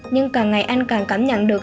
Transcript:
nhưng càng ngày anh càng cảm nhận được